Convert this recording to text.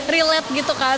relate gitu kan